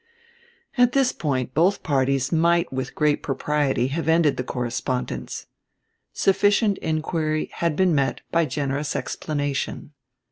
At this point both parties might with great propriety have ended the correspondence. Sufficient inquiry had been met by generous explanation.